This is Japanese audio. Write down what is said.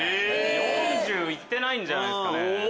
４０いってないんじゃないですか。